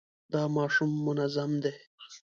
دا ماشوم منظم دی.